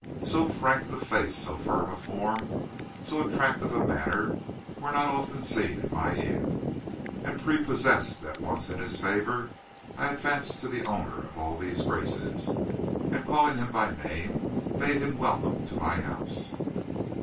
So frank a face, so fine a form, so attractive a manner, were not often seen in my inn, and prepossessed at once in his favor, I advanced to the owner of all these graces, and, calling him by name, bade him welcome to my house.